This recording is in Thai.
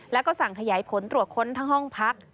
แล้วก็สั่งขยายผลตรวจค้นทั้งห้องพัก